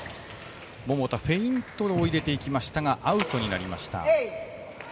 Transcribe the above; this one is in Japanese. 桃田、フェイントを入れていきましたがアウトになりました。